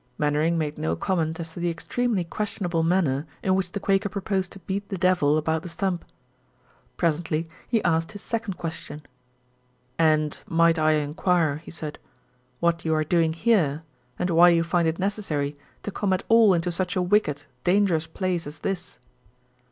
Mainwaring made no comment as to the extremely questionable manner in which the Quaker proposed to beat the devil about the stump. Presently he asked his second question: "And might I inquire," he said, "what you are doing here and why you find it necessary to come at all into such a wicked, dangerous place as this?"